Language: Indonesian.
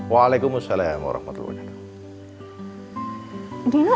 waalaikumsalam warahmatullahi wabarakatuh